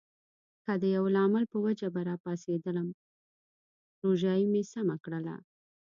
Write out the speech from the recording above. که د یوه لامل په وجه به راپاڅېدم، روژایې مې سمه کړله.